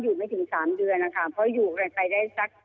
อยู่ไม่ถึง๓เดือนอ่ะค่ะเพราะอยู่เรื่อยใกล้สัก